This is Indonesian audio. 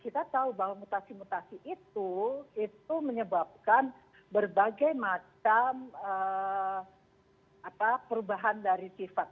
kita tahu bahwa mutasi mutasi itu itu menyebabkan berbagai macam perubahan dari sifat